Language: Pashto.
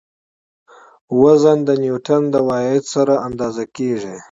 وزن د نیوټڼ د واحد سره اندازه کیږي.